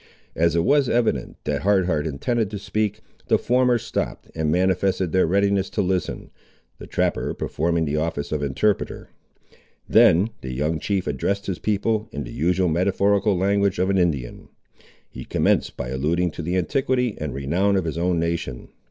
As it was evident that Hard Heart intended to speak, the former stopped, and manifested their readiness to listen, the trapper performing the office of interpreter. Then the young chief addressed his people, in the usual metaphorical language of an Indian. He commenced by alluding to the antiquity and renown of his own nation.